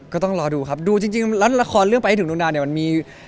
ก็ต้องรอดูครับดูจริงแล้วละครเรื่องไปให้ถึงดวงดาวเนี่ยมันมี